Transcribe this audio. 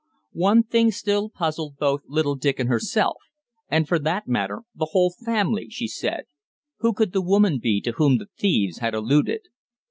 One thing still puzzled both little Dick and herself, and for that matter the whole family, she said who could the woman be to whom the thieves had alluded?